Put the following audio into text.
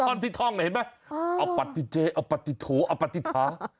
ตอนที่ท่องเห็นไหมเอาปะทิเจเอาปะติฐุเอาปะติฐา